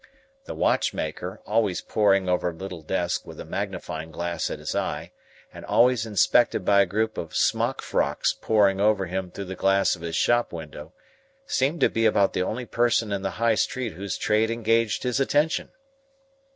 The watchmaker, always poring over a little desk with a magnifying glass at his eye, and always inspected by a group of smock frocks poring over him through the glass of his shop window, seemed to be about the only person in the High Street whose trade engaged his attention.